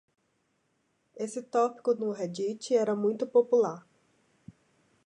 Esse tópico no Reddit era muito popular.